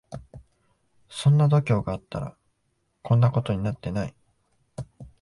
そんな度胸があったらこんなことになってない